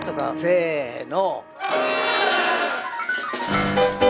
せの！